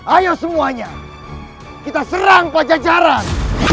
ayo semuanya kita serang pajajaran